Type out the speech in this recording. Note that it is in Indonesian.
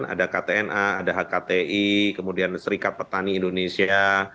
ada ktna ada hkti kemudian serikat petani indonesia